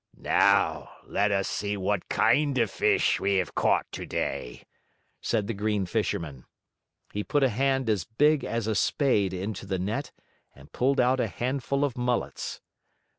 "Now, let's see what kind of fish we have caught today," said the Green Fisherman. He put a hand as big as a spade into the net and pulled out a handful of mullets.